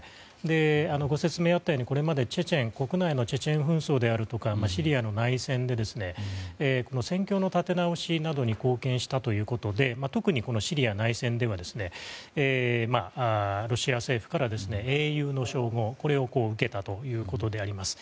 ご説明があったようにこれまでのチェチェン紛争やシリアの内戦で戦況の立て直しなどに貢献したということで特にシリア内戦ではロシア政府から英雄の称号を受けたということであります。